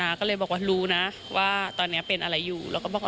อ่าเดี๋ยวฟองดูนะครับไม่เคยพูดนะครับ